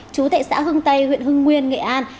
chú tại xã hưng tây huyện hưng nguyên nghệ an